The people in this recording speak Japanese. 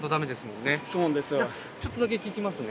ちょっとだけ聞きますね。